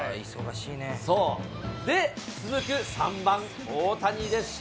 そう、で、続く３番大谷でした。